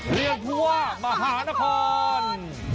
เรียกภูวะมหานคร